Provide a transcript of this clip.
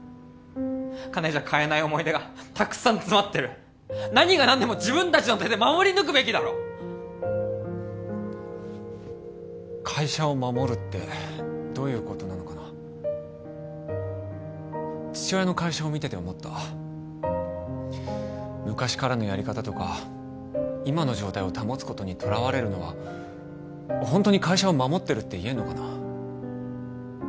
金じゃ買えない思い出がたくさん詰まってる何が何でも自分達の手で守り抜くべきだろ会社を守るってどういうことなのかな父親の会社を見てて思った昔からのやり方とか今の状態を保つことにとらわれるのはホントに会社を守ってるって言えんのかな